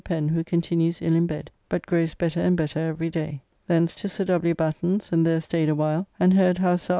Pen, who continues ill in bed, but grows better and better every day. Thence to Sir W. Batten's, and there staid awhile and heard how Sir R.